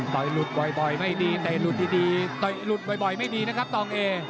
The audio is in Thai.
หลุดบ่อยไม่ดีเตะหลุดดีต่อยหลุดบ่อยไม่ดีนะครับตองเอ